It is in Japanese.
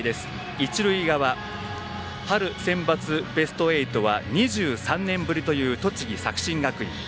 一塁側、春センバツベスト８は２３年ぶりという栃木・作新学院。